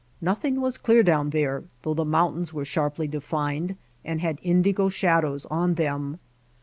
Noth ing was clear down there though the mountains were sharply defined and had indigo shadows on them.